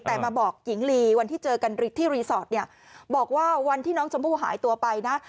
แต่มาบอกหญิงลีวันที่เจอกันที่รีสอร์ทเนี่ยบอกว่าวันที่น้องชมพู่หายตัวไปนะ